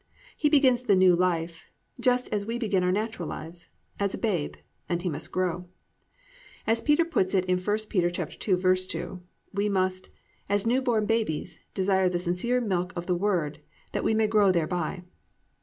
He begins the new life just as we begin our natural lives, as a babe, and he must grow. As Peter puts it in 1 Pet. 2:2, we must +"As new born babes, desire the sincere milk of the word, that we may grow thereby."